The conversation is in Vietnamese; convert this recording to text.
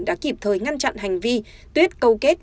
đã kịp thời ngăn chặn hành vi tuyết câu kết